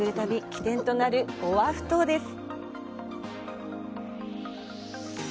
起点となるオアフ島です。